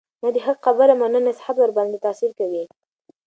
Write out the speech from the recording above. نه د حق خبره مني، نه نصيحت ورباندي تأثير كوي،